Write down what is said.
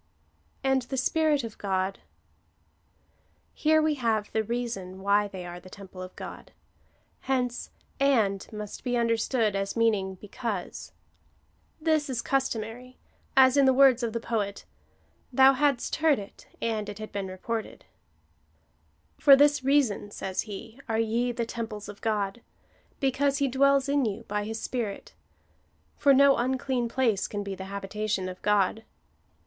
And the Spirit of God. Here we have the reason why they are the temple of God. Hence and must be understood as meaning because. This is customary, as in the words of the poet —" Thou hadst heard it, and it had been reported." " For this reason," says he, " are ye the temples of God, because He dwells in you by his Spirit ; for no unclean place can be the habitation of God."